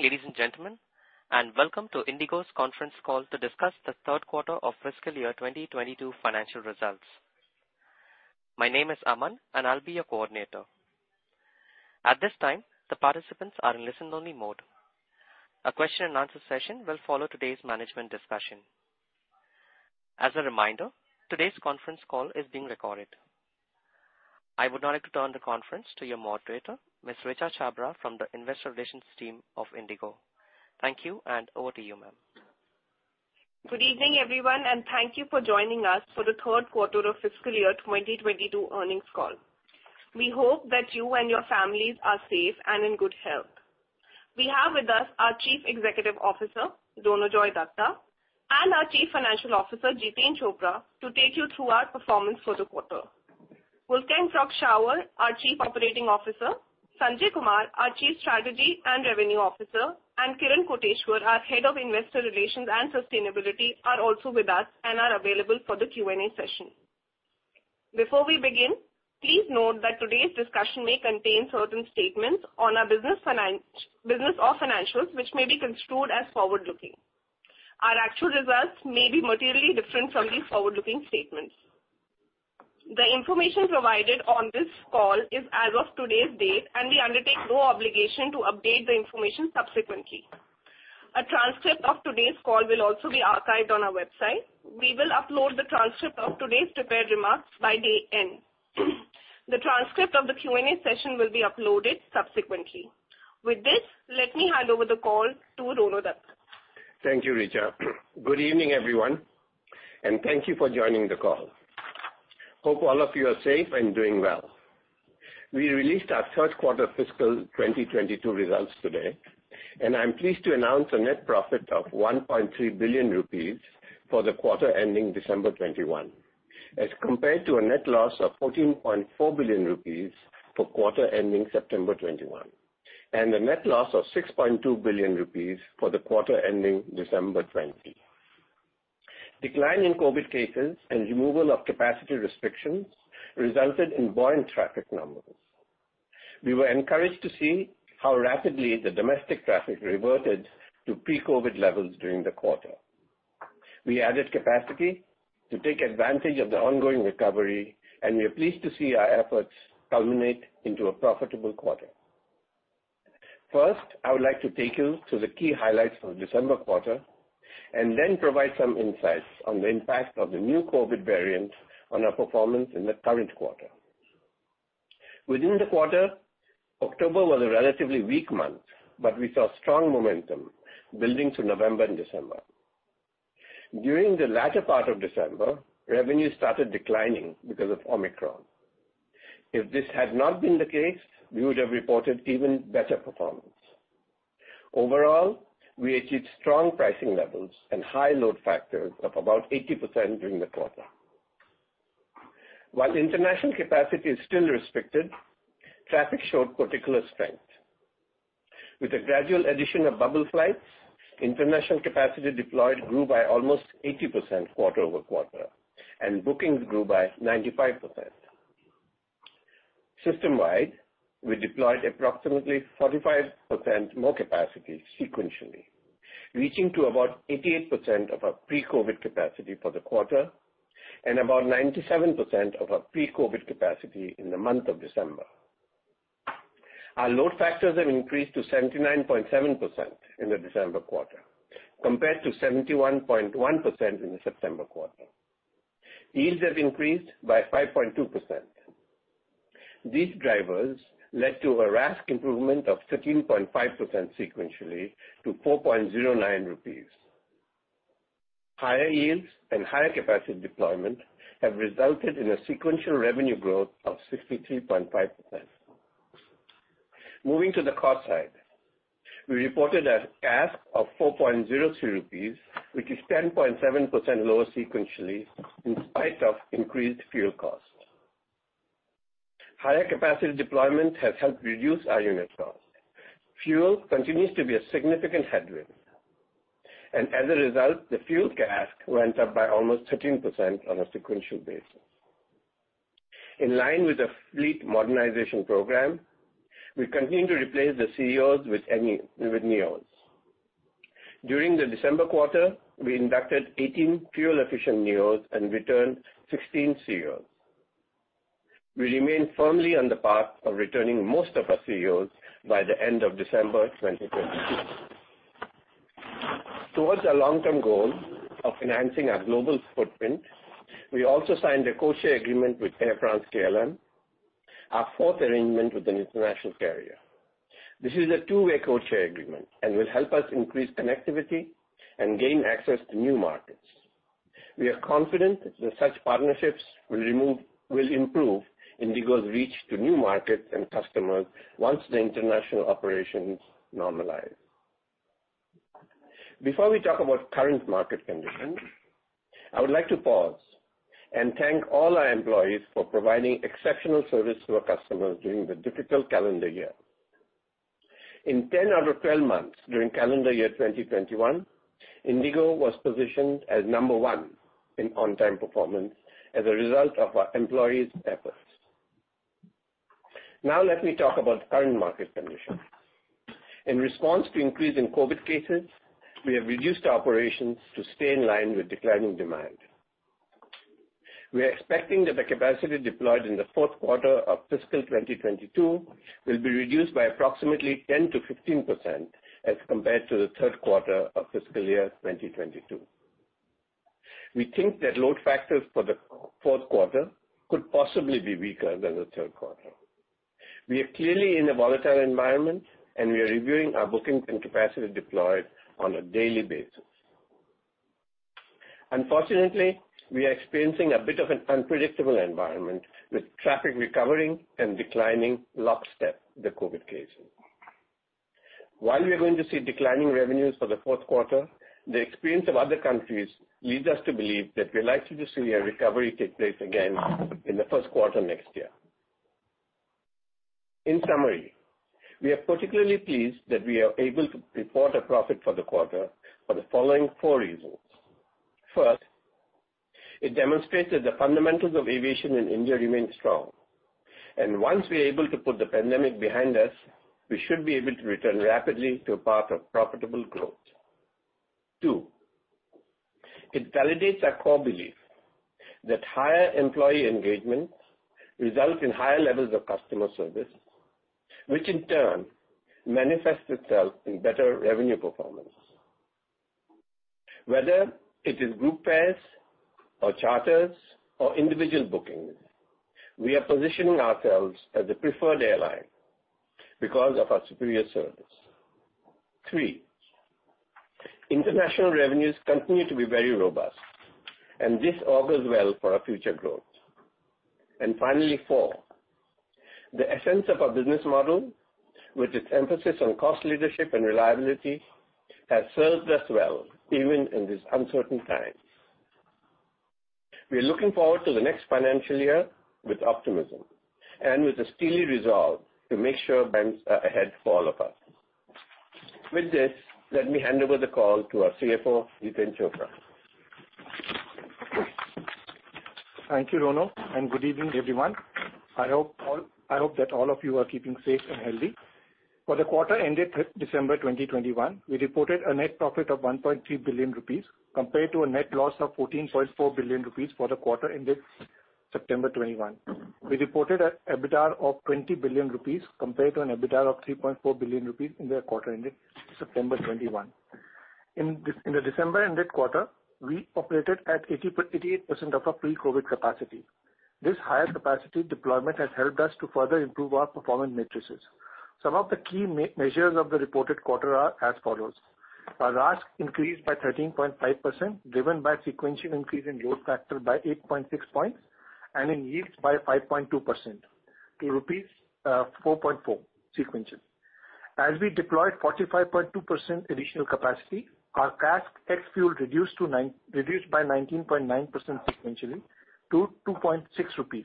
Evening, ladies and gentlemen, and welcome to IndiGo's Conference Call to discuss the Third Quarter of Fiscal Year 2022 financial results. My name is Aman, and I'll be your coordinator. At this time, the participants are in listen only mode. A question and answer session will follow today's management discussion. As a reminder, today's conference call is being recorded. I would now like to turn the conference to your moderator, Ms. Richa Chhabra from the investor relations team of IndiGo. Thank you, and over to you, ma'am. Good evening, everyone, and thank you for joining us for the Third Quarter of Fiscal Year 2022 Earnings Call. We hope that you and your families are safe and in good health. We have with us our Chief Executive Officer, Ronojoy Dutta, and our Chief Financial Officer, Jiten Chopra, to take you through our performance for the quarter. Wolfgang Prock-Schauer, our Chief Operating Officer, Sanjay Kumar, our Chief Strategy and Revenue Officer, and Kiran Koteshwar, our Head of Investor Relations and Sustainability are also with us and are available for the Q&A session. Before we begin, please note that today's discussion may contain certain statements on our business or financials which may be construed as forward-looking. Our actual results may be materially different from these forward-looking statements. The information provided on this call is as of today's date, and we undertake no obligation to update the information subsequently. A transcript of today's call will also be archived on our website. We will upload the transcript of today's prepared remarks by day end. The transcript of the Q&A session will be uploaded subsequently. With this, let me hand over the call to Rono Dutta. Thank you, Richa. Good evening, everyone, and thank you for joining the call. Hope all of you are safe and doing well. We released our third quarter fiscal 2022 results today, and I'm pleased to announce a net profit of 1.3 billion rupees for the quarter ending December 2021, as compared to a net loss of 14.4 billion rupees for quarter ending September 2021, and a net loss of 6.2 billion rupees for the quarter ending December 2020. Decline in COVID cases and removal of capacity restrictions resulted in buoyant traffic numbers. We were encouraged to see how rapidly the domestic traffic reverted to pre-COVID levels during the quarter. We added capacity to take advantage of the ongoing recovery, and we are pleased to see our efforts culminate into a profitable quarter. First, I would like to take you to the key highlights for the December quarter and then provide some insights on the impact of the new COVID variant on our performance in the current quarter. Within the quarter, October was a relatively weak month, but we saw strong momentum building through November and December. During the latter part of December, revenue started declining because of Omicron. If this had not been the case, we would have reported even better performance. Overall, we achieved strong pricing levels and high load factors of about 80% during the quarter. While international capacity is still restricted, traffic showed particular strength. With the gradual addition of bubble flights, international capacity deployed grew by almost 80% quarter-over-quarter, and bookings grew by 95%. System-wide, we deployed approximately 45% more capacity sequentially, reaching to about 88% of our pre-COVID capacity for the quarter and about 97% of our pre-COVID capacity in the month of December. Our load factors have increased to 79.7% in the December quarter, compared to 71.1% in the September quarter. Yields have increased by 5.2%. These drivers led to a RASK improvement of 13.5% sequentially to 4.09 rupees. Higher yields and higher capacity deployment have resulted in a sequential revenue growth of 63.5%. Moving to the cost side. We reported a CASK of 4.03 rupees, which is 10.7% lower sequentially in spite of increased fuel costs. Higher capacity deployment has helped reduce our unit cost. Fuel continues to be a significant headwind. As a result, the fuel CASK went up by almost 13% on a sequential basis. In line with the fleet modernization program, we continue to replace the ceos with neos. During the December quarter, we inducted 18 fuel-efficient neos and returned 16 ceos. We remain firmly on the path of returning most of our ceos by the end of December 2022. Towards our long-term goal of enhancing our global footprint, we also signed a codeshare agreement with Air France-KLM, our fourth arrangement with an international carrier. This is a two-way codeshare agreement and will help us increase connectivity and gain access to new markets. We are confident that such partnerships will improve IndiGo's reach to new markets and customers once the international operations normalize. Before we talk about current market conditions, I would like to pause and thank all our employees for providing exceptional service to our customers during the difficult calendar year. In 10 out of 12 months during calendar year 2021, IndiGo was positioned as number one in on-time performance as a result of our employees' efforts. Now let me talk about the current market condition. In response to increase in COVID cases, we have reduced our operations to stay in line with declining demand. We are expecting that the capacity deployed in the fourth quarter of fiscal 2022 will be reduced by approximately 10%-15% as compared to the third quarter of fiscal year 2022. We think that load factors for the Q4 could possibly be weaker than the third quarter. We are clearly in a volatile environment, and we are reviewing our bookings and capacity deployed on a daily basis. Unfortunately, we are experiencing a bit of an unpredictable environment, with traffic recovering and declining lockstep with the COVID cases. While we are going to see declining revenues for the fourth quarter, the experience of other countries leads us to believe that we are likely to see a recovery take place again in the first quarter next year. In summary, we are particularly pleased that we are able to report a profit for the quarter for the following four reasons. First, it demonstrates that the fundamentals of aviation in India remain strong, and once we are able to put the pandemic behind us, we should be able to return rapidly to a path of profitable growth. Two, it validates our core belief that higher employee engagement results in higher levels of customer service, which in turn manifests itself in better revenue performance. Whether it is group fares or charters or individual bookings, we are positioning ourselves as the preferred airline because of our superior service. Three, international revenues continue to be very robust, and this augurs well for our future growth. Finally, four, the essence of our business model with its emphasis on cost leadership and reliability has served us well even in these uncertain times. We are looking forward to the next financial year with optimism and with a steely resolve to make sure good times are ahead for all of us. With this, let me hand over the call to our CFO, Jiten Chopra. Thank you, Rono, and good evening, everyone. I hope that all of you are keeping safe and healthy. For the quarter ended December 2021, we reported a net profit of 1.3 billion rupees compared to a net loss of 14.4 billion rupees for the quarter ended September 2021. We reported an EBITDA of 20 billion rupees compared to an EBITDA of 3.4 billion rupees in the quarter ended September 2021. In the December ended quarter, we operated at 88% of our pre-COVID capacity. This higher capacity deployment has helped us to further improve our performance metrics. Some of the key measures of the reported quarter are as follows. Our RASK increased by 13.5%, driven by a sequential increase in load factor by 8.6 points and in yields by 5.2% to rupees 4.4 sequentially. As we deployed 45.2% additional capacity, our CASK ex-fuel reduced by 19.9% sequentially to 2.6 rupees.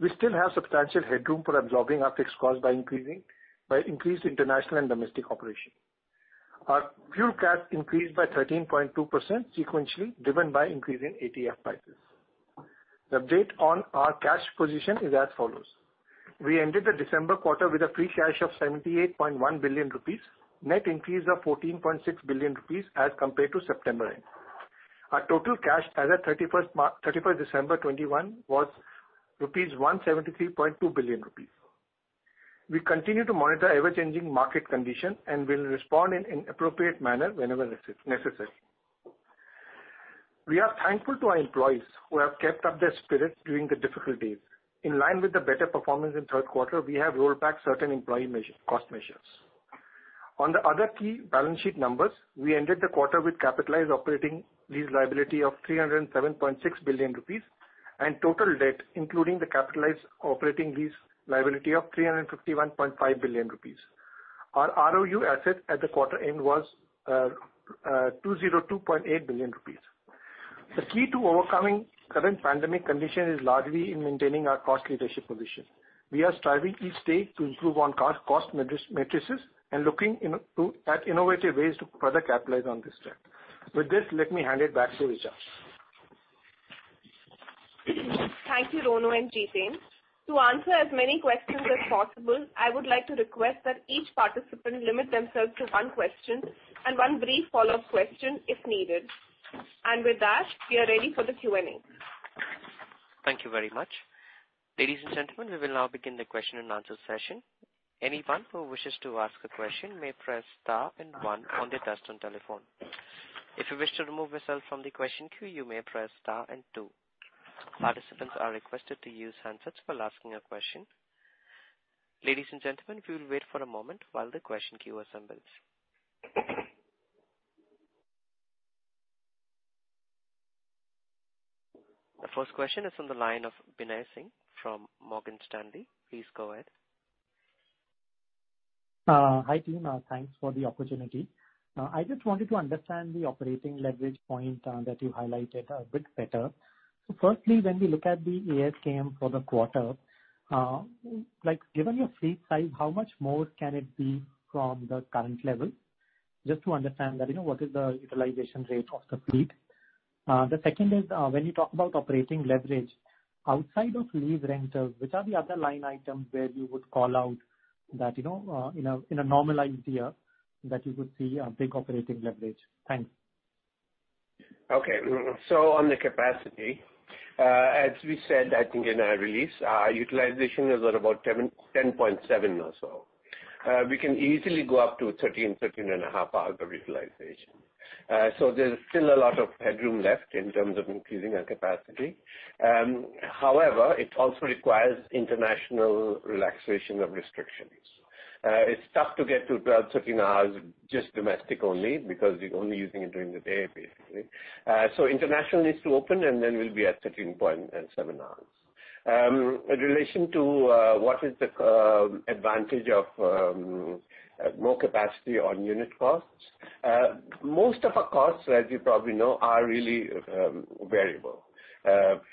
We still have substantial headroom for absorbing our fixed costs by increased international and domestic operation. Our fuel CASK increased by 13.2% sequentially, driven by increasing ATF prices. The update on our cash position is as follows. We ended the December quarter with free cash of 78.1 billion rupees, net increase of 14.6 billion rupees as compared to September end. Our total cash as at 31 December 2021 was 173.2 billion rupees. We continue to monitor ever-changing market conditions and will respond in an appropriate manner whenever necessary. We are thankful to our employees who have kept up their spirits during the difficult days. In line with the better performance in third quarter, we have rolled back certain employee cost measures. On the other key balance sheet numbers, we ended the quarter with capitalized operating lease liability of 307.6 billion rupees and total debt, including the capitalized operating lease liability of 351.5 billion rupees. Our ROU asset at the quarter end was 202.8 billion rupees. The key to overcoming current pandemic condition is largely in maintaining our cost leadership position. We are striving each day to improve on cost matrices and looking at innovative ways to further capitalize on this trend. With this, let me hand it back to Richa. Thank you, Rono and Jiten. To answer as many questions as possible, I would like to request that each participant limit themselves to one question and one brief follow-up question if needed. With that, we are ready for the Q&A. Thank you very much. Ladies and gentlemen, we will now begin the question and answer session. Anyone who wishes to ask a question may press star and one on their touchtone telephone. If you wish to remove yourself from the question queue, you may press star and two. Participants are requested to use handsets while asking a question. Ladies and gentlemen, if you will wait for a moment while the question queue assembles. The first question is on the line of Binay Singh from Morgan Stanley. Please go ahead. Hi, team. Thanks for the opportunity. I just wanted to understand the operating leverage point that you highlighted a bit better. Firstly, when we look at the ASKM for the quarter, like, given your fleet size, how much more can it be from the current level? Just to understand that, you know, what is the utilization rate of the fleet? The second is, when you talk about operating leverage, outside of lease rentals, which are the other line items where you would call out that, you know, in a normalized year that you could see a big operating leverage? Thanks. Okay. On the capacity, as we said, I think in our release, our utilization is at about 10.7 or so. We can easily go up to 13.5 hours of utilization. There's still a lot of headroom left in terms of increasing our capacity. However, it also requires international relaxation of restrictions. It's tough to get to 12, 13 hours just domestic only because you're only using it during the day, basically. International needs to open, and then we'll be at 13.7 hours. In relation to what is the advantage of more capacity on unit costs, most of our costs, as you probably know, are really variable.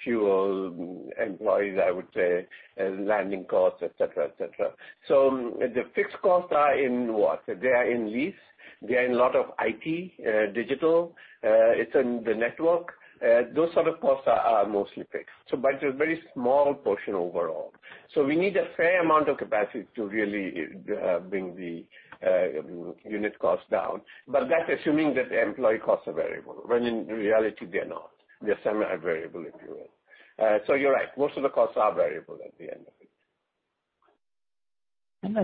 Fuel, employees, I would say, landing costs, et cetera, et cetera. The fixed costs are in what? They are in lease, they are in alot of IT, digital, it's in the network. Those sort of costs are mostly fixed, but a very small portion overall. We need a fair amount of capacity to really bring the unit costs down. That's assuming that the employee costs are variable, when in reality they're not. They're semi-variable, if you will. You're right, most of the costs are variable at the end of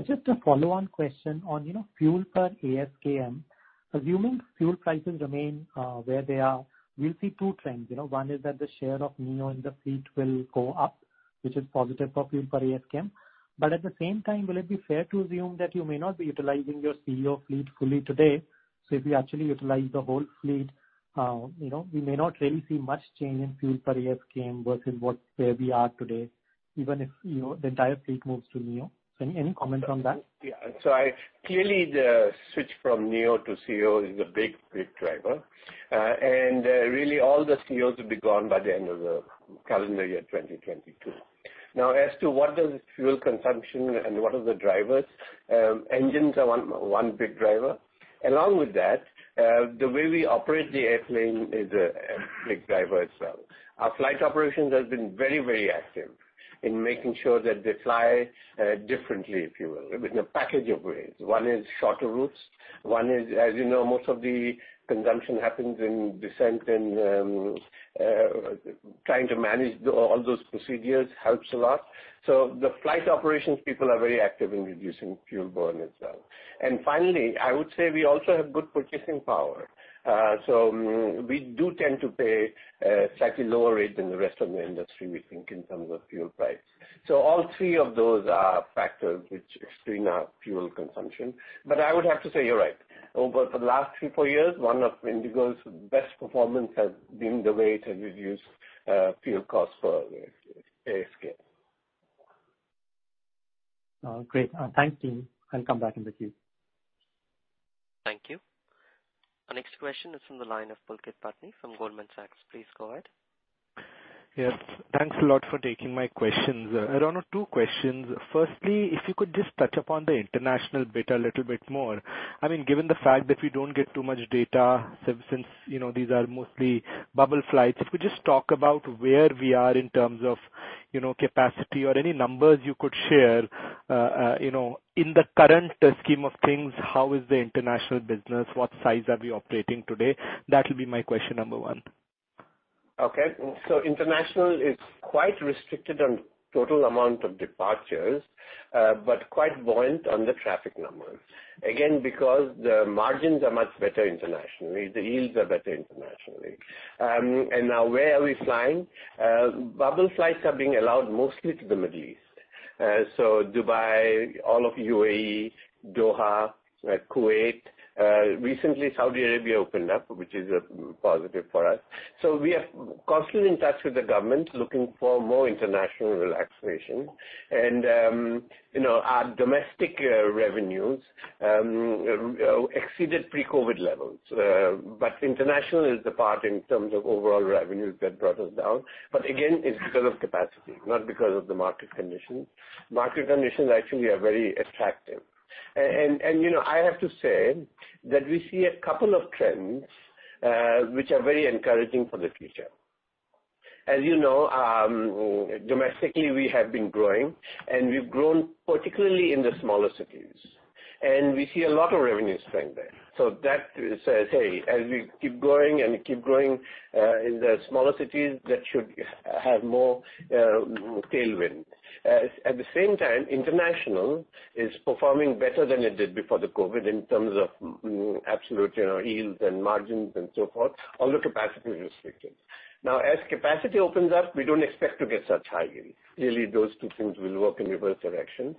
it. Just a follow-on question on, you know, fuel per ASKM. Assuming fuel prices remain where they are, we'll see two trends. You know, one is that the share of neo in the fleet will go up, which is positive for fuel per ASKM. But at the same time, will it be fair to assume that you may not be utilizing your ceo fleet fully today? So if you actually utilize the whole fleet, you know, we may not really see much change in fuel per ASKM versus where we are today, even if, you know, the entire fleet moves to neo. Any comment on that? Clearly the switch from neo to ceo is a big, big driver. Really all the ceo will be gone by the end of the calendar year 2022. Now as to what is fuel consumption and what are the drivers, engines are one big driver. Along with that, the way we operate the airplane is a big driver as well. Our flight operations has been very, very active in making sure that they fly differently, if you will, with a package of ways. One is shorter routes, one is, as you know, most of the consumption happens in descent, and trying to manage all those procedures helps a lot. The flight operations people are very active in reducing fuel burn itself. Finally, I would say we also have good purchasing power. We do tend to pay a slightly lower rate than the rest of the industry, we think, in terms of fuel price. All three of those are factors which determine our fuel consumption. I would have to say you're right. Over the last three, four years, one of IndiGo's best performance has been the way it has reduced fuel costs for ASK. Great. Thanks, team. I'll come back in the queue. Thank you. Our next question is from the line of Pulkit Patni from Goldman Sachs. Please go ahead. Yes, thanks a lot for taking my questions. Rono, two questions. Firstly, if you could just touch upon the international bit a little bit more. I mean, given the fact that we don't get too much data since, you know, these are mostly bubble flights. If you could just talk about where we are in terms of, you know, capacity or any numbers you could share, you know, in the current scheme of things, how is the international business? What size are we operating today? That will be my question number one. Okay. International is quite restricted on total amount of departures, but quite buoyant on the traffic numbers. Again, because the margins are much better internationally, the yields are better internationally. Now where are we flying? Bubble flights are being allowed mostly to the Middle East. Dubai, all of U.A.E., Doha, Kuwait. Recently Saudi Arabia opened up, which is a positive for us. We are constantly in touch with the government, looking for more international relaxation. You know, our domestic revenues exceeded pre-COVID levels. International is the part in terms of overall revenues that brought us down. Again, it's because of capacity, not because of the market condition. Market conditions actually are very attractive. You know, I have to say that we see a couple of trends, which are very encouraging for the future. As you know, domestically, we have been growing, and we've grown particularly in the smaller cities, and we see a lot of revenue strength there. That says, hey, as we keep growing and we keep growing in the smaller cities, that should have more tailwind. At the same time, international is performing better than it did before the COVID in terms of absolute, you know, yields and margins and so forth, although capacity is restricted. Now, as capacity opens up, we don't expect to get such high yields. Clearly, those two things will work in reverse directions.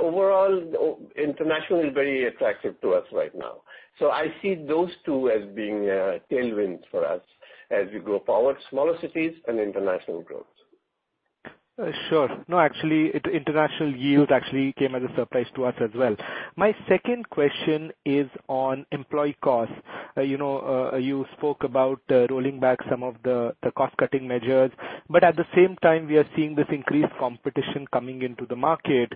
Overall, international is very attractive to us right now. I see those two as being tailwinds for us as we go forward, smaller cities and international growth. Sure. No, actually, international yield actually came as a surprise to us as well. My second question is on employee costs. You know, you spoke about rolling back some of the cost-cutting measures, but at the same time we are seeing this increased competition coming into the market.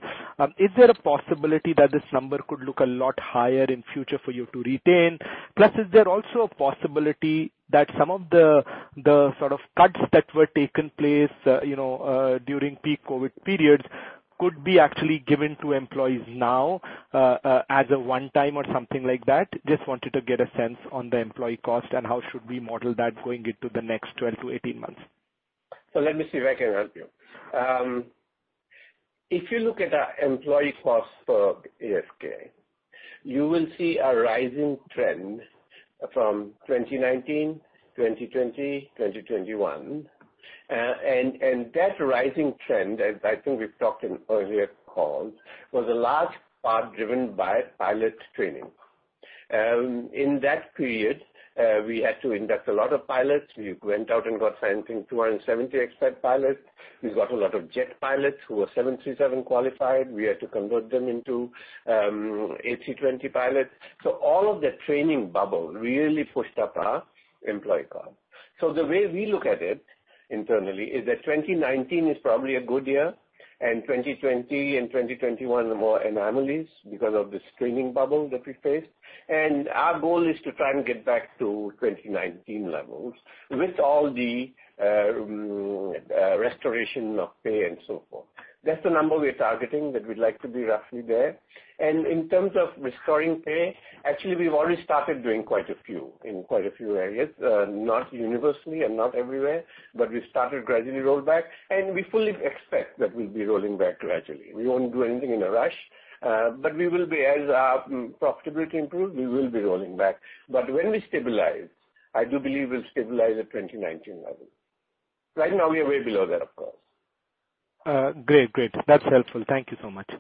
Is there a possibility that this number could look a lot higher in future for you to retain? Plus, is there also a possibility that some of the sort of cuts that were taken place, you know, during peak COVID periods could be actually given to employees now, as a one time or something like that. Just wanted to get a sense on the employee cost and how should we model that going into the next 12-18 months. Let me see if I can help you. If you look at our employee cost for ASK, you will see a rising trend from 2019, 2020, 2021. That rising trend, as I think we've talked in earlier calls, was a large part driven by pilot training. In that period, we had to induct a lot of pilots. We went out and got, I think, 270 expat pilots. We got a lot of jet pilots who were 737 qualified. We had to convert them into A320 pilots. All of the training bubble really pushed up our employee cost. The way we look at it internally is that 2019 is probably a good year, and 2020 and 2021 were more anomalies because of this training bubble that we faced. Our goal is to try and get back to 2019 levels with all the restoration of pay and so forth. That's the number we're targeting, that we'd like to be roughly there. In terms of restoring pay, actually, we've already started doing quite a few in quite a few areas. Not universally and not everywhere, but we started gradually roll back, and we fully expect that we'll be rolling back gradually. We won't do anything in a rush, but we will be as our profitability improves, we will be rolling back. When we stabilize, I do believe we'll stabilize at 2019 level. Right now we are way below that, of course. Great. That's helpful. Thank you so much.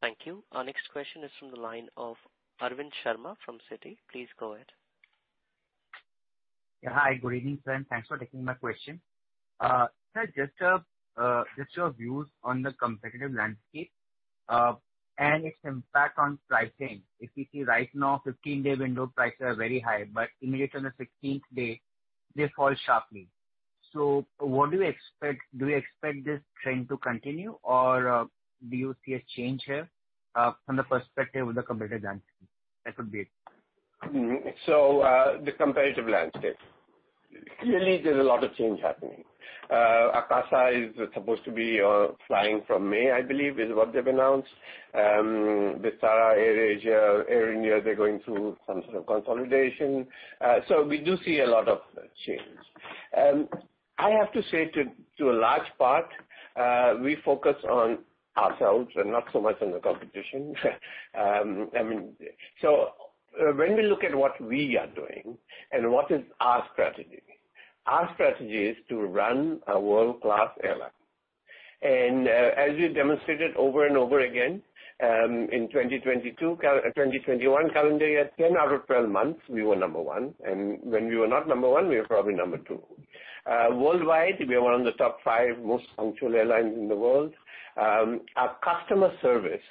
Thank you. Our next question is from the line of Arvind Sharma from Citi. Please go ahead. Yeah. Hi. Good evening, sir, and thanks for taking my question. Sir, just your views on the competitive landscape and its impact on pricing. If you see right now, 15-day window prices are very high, but immediately on the 16th day they fall sharply. What do you expect? Do you expect this trend to continue, or do you see a change here from the perspective of the competitive landscape? That would be it. The competitive landscape. Clearly there's a lot of change happening. Akasa is supposed to be flying from May, I believe, is what they've announced. Vistara, AirAsia, Air India, they're going through some sort of consolidation. We do see a lot of change. I have to say to a large part, we focus on ourselves and not so much on the competition. I mean, when we look at what we are doing and what is our strategy, our strategy is to run a world-class airline. As we demonstrated over and over again, in 2021 calendar year, 10 out of 12 months we were number one, and when we were not number one, we were probably number two. Worldwide, we are one of the top five most punctual airlines in the world. Our customer service,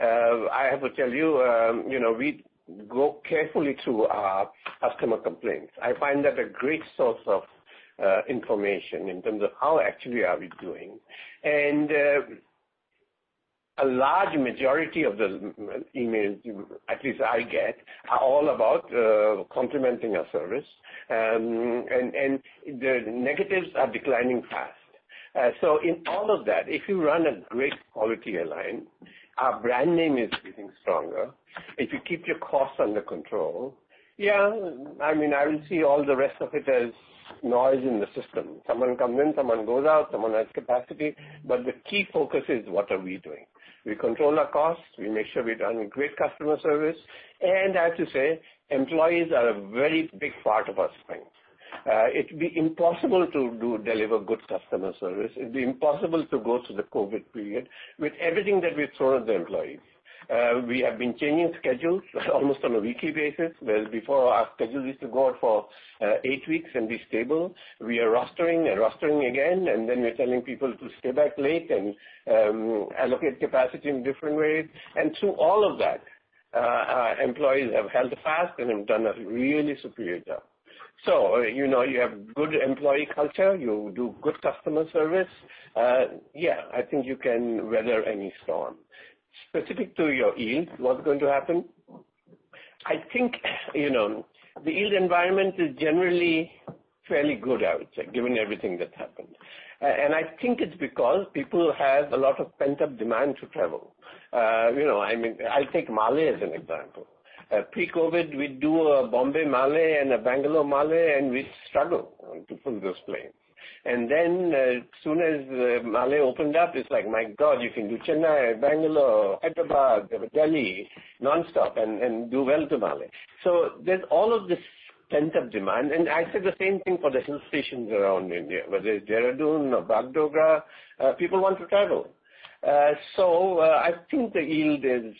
I have to tell you know, we go carefully through our customer complaints. I find that a great source of information in terms of how actually are we doing. A large majority of the emails, at least I get, are all about complimenting our service. The negatives are declining fast. In all of that, if you run a great quality airline, our brand name is getting stronger. If you keep your costs under control, yeah, I mean, I will see all the rest of it as noise in the system. Someone comes in, someone goes out, someone adds capacity. The key focus is what are we doing. We control our costs. We make sure we're doing great customer service. I have to say, employees are a very big part of our strength. It'd be impossible to deliver good customer service. It'd be impossible to go through the COVID period with everything that we've thrown at the employees. We have been changing schedules almost on a weekly basis. Where before our schedule used to go out for eight weeks and be stable. We are rostering and rostering again, and then we're telling people to stay back late and allocate capacity in different ways. Through all of that, our employees have held fast and have done a really superior job. You know, you have good employee culture, you do good customer service. Yeah, I think you can weather any storm. Specific to your yield, what's going to happen? I think, you know, the yield environment is generally fairly good, I would say, given everything that's happened. I think it's because people have a lot of pent-up demand to travel. You know, I mean, I'll take Malé as an example. Pre-COVID, we'd do a Bombay-Malé and a Bangalore-Malé, and we'd struggle to fill those planes. Then, as soon as Malé opened up, it's like, my God, you can do Chennai, Bangalore, Hyderabad, Delhi nonstop and do well to Malé. There's all of this pent-up demand. I say the same thing for the hill stations around India, whether it's Dehradun or Bagdogra, people want to travel. So, I think the yield is.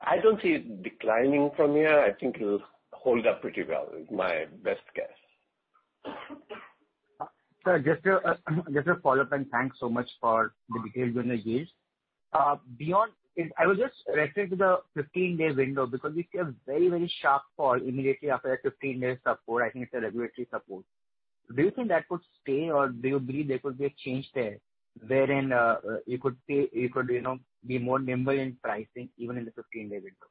I don't see it declining from here. I think it'll hold up pretty well, is my best guess. Sir, just a follow-up, and thanks so much for the details on the yield. Beyond, I was just referring to the 15-day window because we see a very sharp fall immediately after that 15-day support. I think it's a regulatory support. Do you think that could stay, or do you believe there could be a change there wherein you could, you know, be more nimble in pricing even in the 15-day window?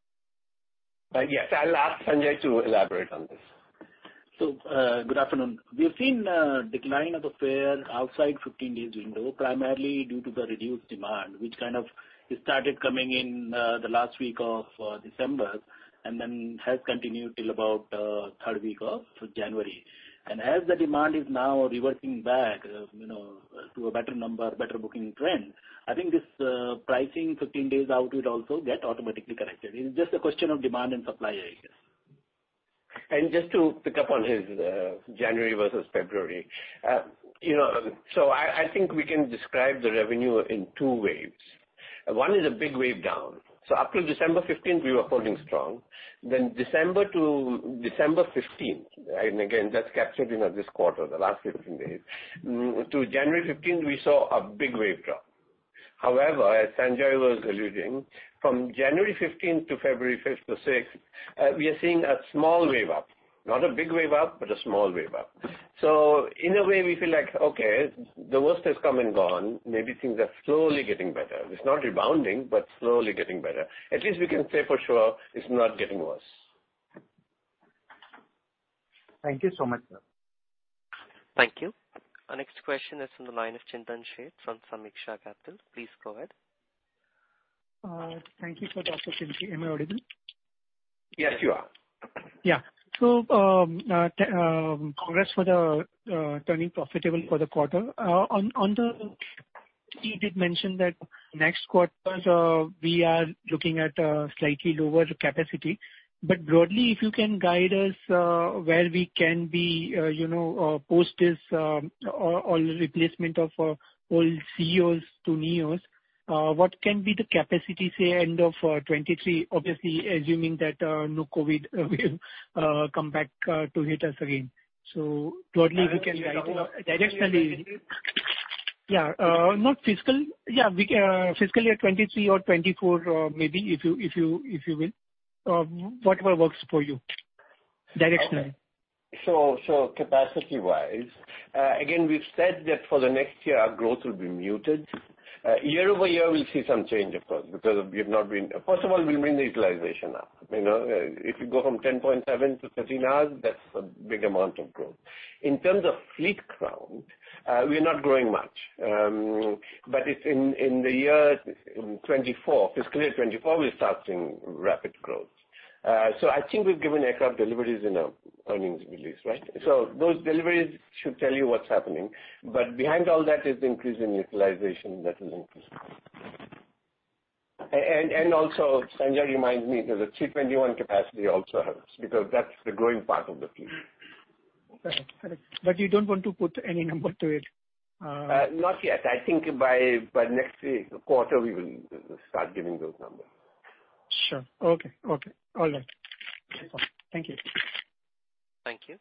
Yes, I'll ask Sanjay to elaborate on this. Good afternoon. We've seen a decline of the fare outside 15 days window, primarily due to the reduced demand, which kind of started coming in the last week of December and then has continued till about third week of January. As the demand is now reversing back, you know, to a better number, better booking trend, I think this pricing 15 days out will also get automatically corrected. It's just a question of demand and supply, I guess. Just to pick up on his January versus February. You know, I think we can describe the revenue in two waves. One is a big wave down. Up till December fifteenth we were holding strong. Then December to December 15—and again, that's captured in this quarter—the last 15 days. To January 15 we saw a big wave drop. However, as Sanjay was alluding, from January fifteenth to February fifth to sixth, we are seeing a small wave up. Not a big wave up, but a small wave up. In a way we feel like, okay, the worst has come and gone. Maybe things are slowly getting better. It's not rebounding, but slowly getting better. At least we can say for sure it's not getting worse. Thank you so much, sir. Thank you. Our next question is from the line of Chintan Sheth from Sameeksha Capital. Please go ahead. Thank you for the opportunity. Am I audible? Yes, you are. Congrats for turning profitable for the quarter. On the, you did mention that next quarters we are looking at a slightly lower capacity. But broadly, if you can guide us where we can be, you know, post this replacement of old ceos to neos, what can be the capacity, say, end of 2023? Obviously, assuming that no COVID will come back to hit us again. Broadly, we can guide directionally. Not fiscal year 2023 or 2024, maybe if you will. Whatever works for you. Directionally. Capacity-wise, again, we've said that for the next year our growth will be muted. Year-over- year we'll see some change, of course. First of all, we'll bring the utilization up. You know, if you go from 10.7 to 13 hours, that's a big amount of growth. In terms of fleet count, we're not growing much. It's in the year 2024, fiscal year 2024, we'll start seeing rapid growth. I think we've given aircraft deliveries in our earnings release, right? Those deliveries should tell you what's happening. Behind all that is the increase in utilization that will increase. Also, Sanjay reminds me that the A321 capacity also helps because that's the growing part of the fleet. Correct. You don't want to put any number to it. Not yet. I think by next quarter we will start giving those numbers. Sure. Okay. All right. Thank you. Thank you.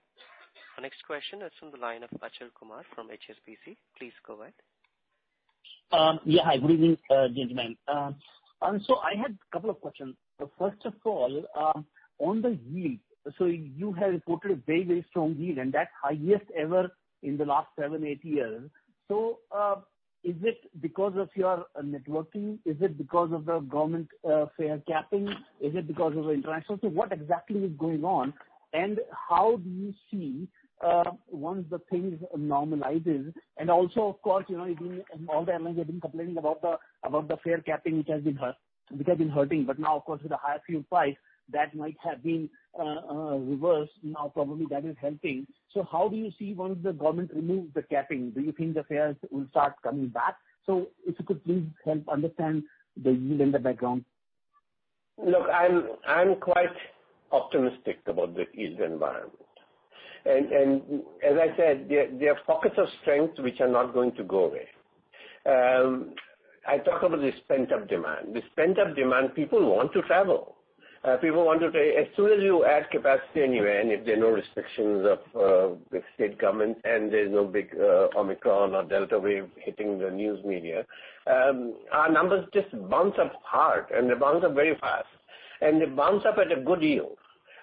Our next question is from the line of Achal Kumar from HSBC. Please go ahead. Hi, good evening, gentlemen. I had a couple of questions. First of all, on the yield. You have reported a very, very strong yield, and that's highest ever in the last seven to eight years. Is it because of your networking? Is it because of the government fare capping? Is it because of international? What exactly is going on, and how do you see once the things normalize? Also, of course, you know, all the airlines have been complaining about the fare capping which has been hurting. Now, of course, with the higher fuel price, that might have been reversed. Now probably that is helping. How do you see once the government removes the capping? Do you think the fares will start coming back? If you could please help me understand the yield and the background. Look, I'm quite optimistic about the yield environment. As I said, there are pockets of strength which are not going to go away. I talk about this pent-up demand. This pent-up demand, people want to travel. As soon as you add capacity anyway, and if there are no restrictions of the state government and there's no big Omicron or Delta wave hitting the news media, our numbers just bounce up hard and they bounce up very fast, and they bounce up at a good yield.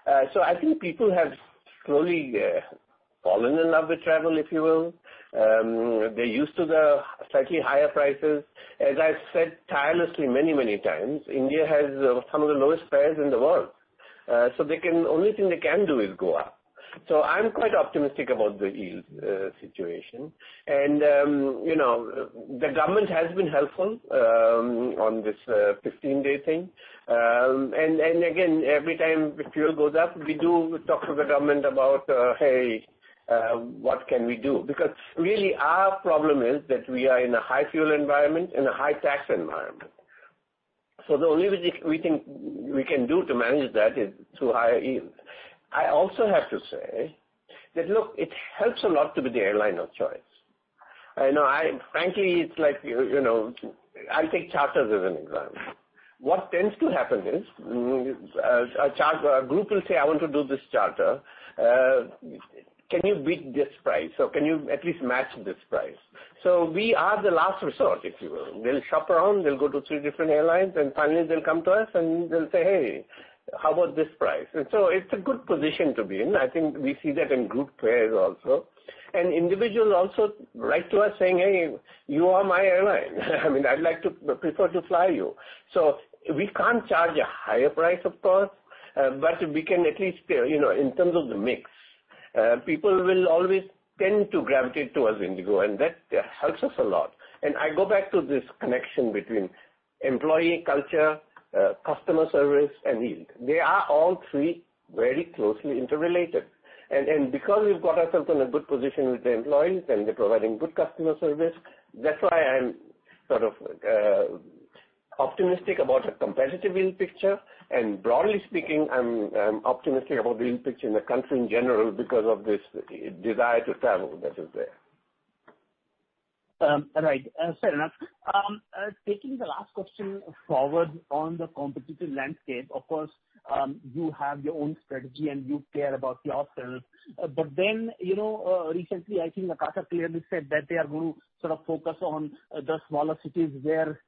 I think people have slowly fallen in love with travel, if you will. They're used to the slightly higher prices. As I've said tirelessly many times, India has some of the lowest fares in the world. They can... Only thing they can do is go up. I'm quite optimistic about the yield situation. You know, the government has been helpful on this 15-day thing. Again, every time the fuel goes up, we do talk to the government about, hey, what can we do? Because really our problem is that we are in a high fuel environment and a high tax environment. The only way we think we can do to manage that is through higher yield. I also have to say that, look, it helps a lot to be the airline of choice. You know, frankly, it's like, you know, I'll take charters as an example. What tends to happen is, a group will say, "I want to do this charter. Can you beat this price, or can you at least match this price?" We are the last resort, if you will. They'll shop around, they'll go to three different airlines, and finally they'll come to us and they'll say, "Hey, how about this price?" It's a good position to be in. I think we see that in group fares also. Individuals also write to us saying, "Hey, you are my airline. I mean, I'd like to prefer to fly you." We can't charge a higher price, of course, but we can at least, you know, in terms of the mix. People will always tend to gravitate towards IndiGo, and that helps us a lot. I go back to this connection between employee culture, customer service and yield. They are all three very closely interrelated. Because we've got ourselves in a good position with the employees and they're providing good customer service, that's why I'm sort of optimistic about a competitive yield picture. Broadly speaking, I'm optimistic about the yield picture in the country in general because of this desire to travel that is there. Right. Fair enough. Taking the last question forward on the competitive landscape, of course, you have your own strategy and you care about yourself. But then, you know, recently, I think Akasa clearly said that they are going to sort of focus on the smaller cities where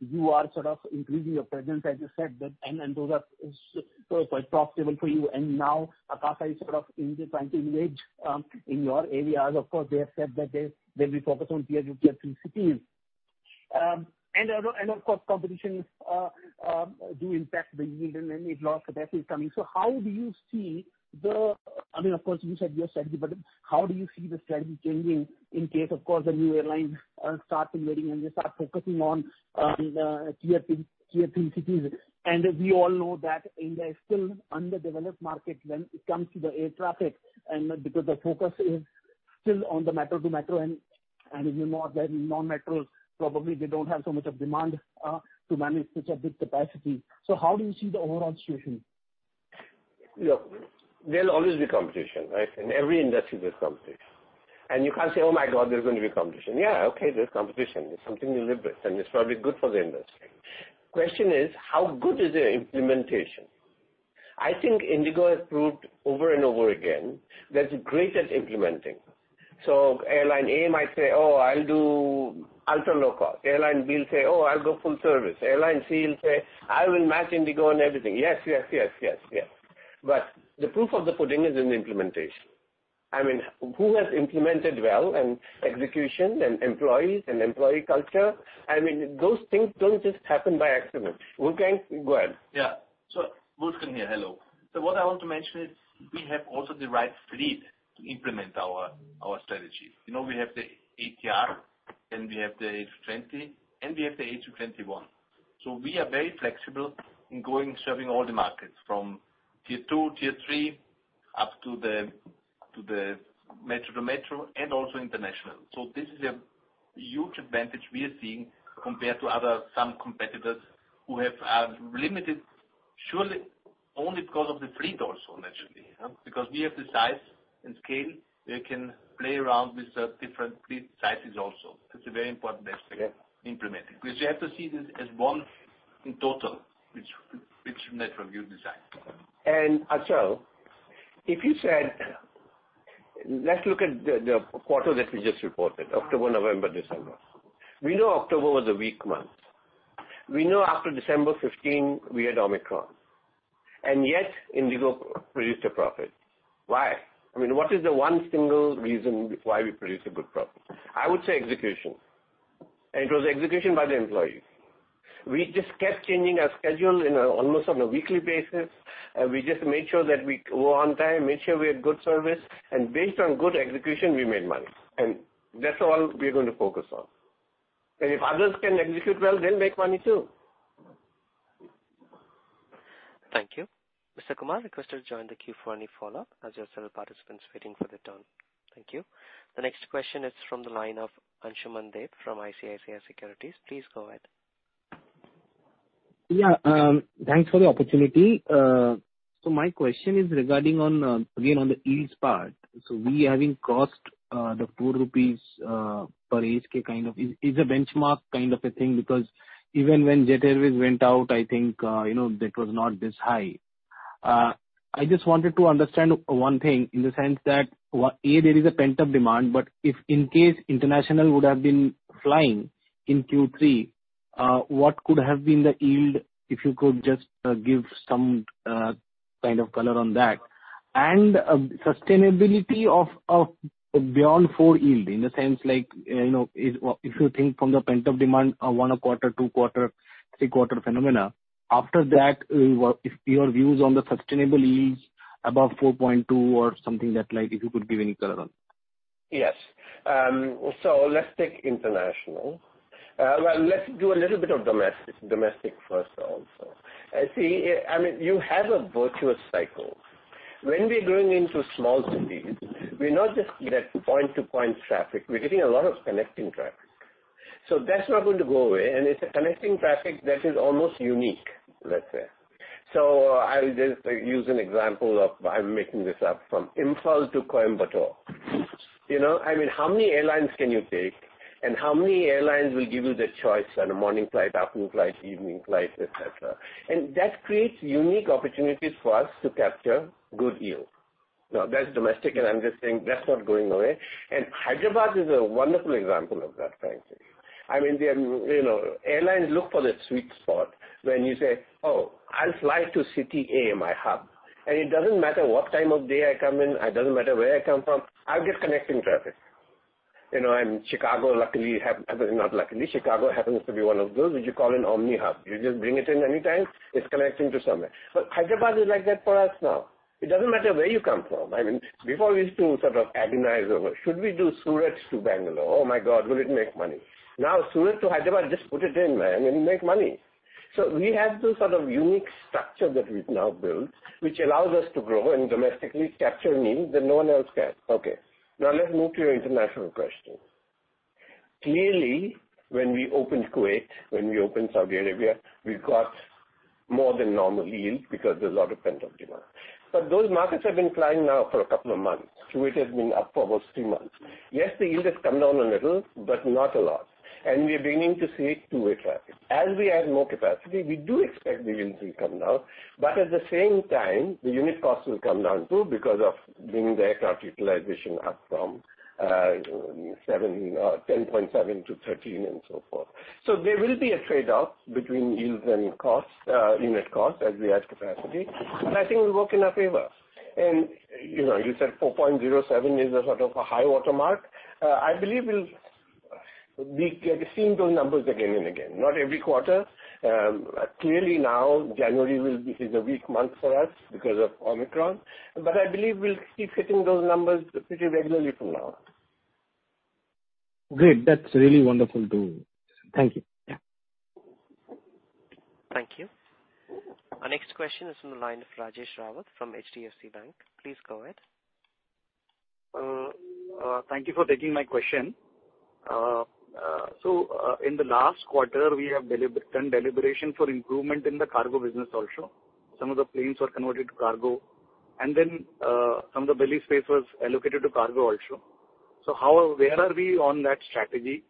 you are sort of increasing your presence, as you said, that and those are so quite profitable for you. And now Akasa is sort of trying to engage in your areas. Of course, they have said that they will focus on tier two, tier three cities. And of course, competition does impact the yield and then additional capacity coming. So how do you see the I mean, of course you said your strategy, but how do you see the strategy changing in case of course a new airline starts invading and they start focusing on tier three cities. We all know that India is still underdeveloped market when it comes to the air traffic and because the focus is still on the metro to metro and you know that non-metro probably they don't have so much of demand to manage such a big capacity. How do you see the overall situation? Look, there'll always be competition, right? In every industry, there's competition. You can't say, "Oh my God, there's going to be competition." Yeah, okay, there's competition. It's something you live with, and it's probably good for the industry. Question is, how good is their implementation? I think IndiGo has proved over and over again that it's great at implementing. Airline A might say, "Oh, I'll do ultra low cost." Airline B will say, "Oh, I'll go full service." Airline C will say, "I will match IndiGo on everything." Yes, yes, yes. The proof of the pudding is in the implementation. I mean, who has implemented well and execution and employees and employee culture? I mean, those things don't just happen by accident. Wolfgang, go ahead. Yeah. Wolfgang here. Hello. What I want to mention is we have also the right fleet to implement our strategy. You know, we have the ATR and we have the A320 and we have the A321. We are very flexible in serving all the markets from tier two, tier three, up to the metro-to-metro and also international. This is a huge advantage we are seeing compared to some other competitors who have limited, surely, only because of the fleet also naturally. Because we have the size and scale, we can play around with the different fleet sizes also. It's a very important aspect. Yeah. In implementing, because you have to see this as one in total, which network you design. Achal, if you said, let's look at the quarter that we just reported, October, November, December. We know October was a weak month. We know after December 15 we had Omicron, and yet IndiGo produced a profit. Why? I mean, what is the one single reason why we produced a good profit? I would say execution. It was execution by the employees. We just kept changing our schedule almost on a weekly basis. We just made sure that we were on time, made sure we had good service. Based on good execution, we made money. That's all we're going to focus on. If others can execute well, they'll make money too. Thank you. Mr. Kumar, I request you to join the queue for any follow-up as there are several participants waiting for their turn. Thank you. The next question is from the line of Ansuman Deb from ICICI Securities. Please go ahead. Yeah. Thanks for the opportunity. My question is regarding on, again on the yields part. We having crossed the 4 rupees per ASK kind of is a benchmark kind of a thing because even when Jet Airways went out, I think, you know, that was not this high. I just wanted to understand one thing in the sense that there is a pent-up demand, but if in case international would have been flying in Q3, what could have been the yield, if you could just give some kind of color on that. Sustainability of beyond four yield, in the sense like, you know, if you think from the pent-up demand, one quarter, two quarter, three quarter phenomena, after that, if your views on the sustainable yields above 4.2 or something like that, if you could give any color on. Yes. Let's take international. Well, let's do a little bit of domestic first also. See, I mean, you have a virtuous cycle. When we're going into small cities, we're not just that point-to-point traffic. We're getting a lot of connecting traffic. That's not going to go away. It's a connecting traffic that is almost unique, let's say. I'll just use an example of, I'm making this up, from Imphal to Coimbatore. You know? I mean, how many airlines can you take, and how many airlines will give you the choice on a morning flight, afternoon flight, evening flight, et cetera? That creates unique opportunities for us to capture good yield. Now, that's domestic, and I'm just saying that's not going away. Hyderabad is a wonderful example of that, frankly. I mean, they're, you know. Airlines look for the sweet spot when you say, "Oh, I'll fly to city A, my hub, and it doesn't matter what time of day I come in, it doesn't matter where I come from, I'll get connecting traffic." You know, Chicago luckily, not luckily, happens to be one of those which you call an omni-hub. You just bring it in anytime, it's connecting to somewhere. Hyderabad is like that for us now. It doesn't matter where you come from. I mean, before we used to sort of agonize over should we do Surat to Bangalore? Oh my God, will it make money? Now, Surat to Hyderabad, just put it in, man, and make money. We have this sort of unique structure that we've now built, which allows us to grow and domestically capture need that no one else can. Okay, now let's move to your international question. Clearly, when we opened Kuwait, when we opened Saudi Arabia, we got more than normal yield because there's a lot of pent-up demand. Those markets have been flying now for a couple of months. Kuwait has been up for almost three months. Yes, the yield has come down a little, but not a lot. We are beginning to see two-way traffic. As we add more capacity, we do expect the yields will come down, but at the same time, the unit cost will come down, too, because of bringing the aircraft utilization up from seven to 10.7 to 13 and so forth. There will be a trade-off between yields and costs, unit costs as we add capacity, but I think it will work in our favor. You know, you said 4.07 is a sort of a high-water mark. I believe we'll be seeing those numbers again and again, not every quarter. Clearly now, this is a weak month for us because of Omicron, but I believe we'll keep hitting those numbers pretty regularly from now on. Great. That's really wonderful. Thank you. Yeah. Thank you. Our next question is from the line of Rajesh Rawat from HDFC Bank. Please go ahead. Thank you for taking my question. In the last quarter, we have done deliberation for improvement in the cargo business also. Some of the planes were converted to cargo, and then some of the belly space was allocated to cargo also. How or where are we on that strategy,